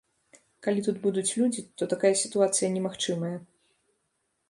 Калі тут будуць людзі, то такая сітуацыя немагчымая.